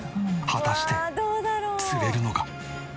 果たして釣れるのか？